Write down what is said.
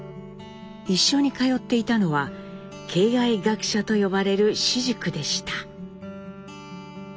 一緒に通っていたのは敬愛学舎と呼ばれる私塾でした。